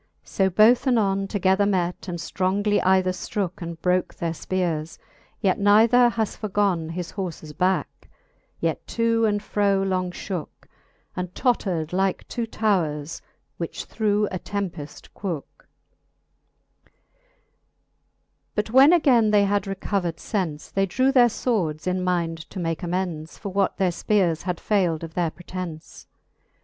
So both anon Together met, and ftrongly either ftrooke, And broke their fpeares; yet neither has forgoa His horfes bicke, yet to and fro long {hooke, And tottred Hke two towres, which through a tempeft quooke. X. But when againe they had recovered fence, They drew their fwords, in mind to make amends For what their fpeares had fayld of their pretence.